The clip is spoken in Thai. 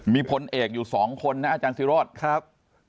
มีพลเอกอยู่สองคนนะอาจารย์ศิโรธครับ